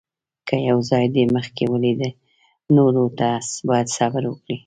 که یو ځای دې مخکې ولید، نورو ته باید صبر وکړې.